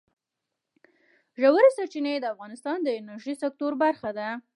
ژورې سرچینې د افغانستان د انرژۍ سکتور برخه ده.